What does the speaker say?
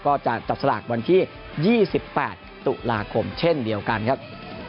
ก็จะจับสลากวันที่๒๘ตุลาคมเช่นเดียวกันครับ